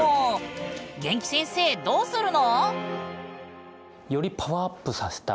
元気先生どうするの？